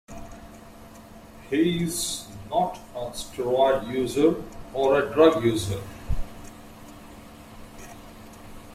He's not a steroid user or a drug user.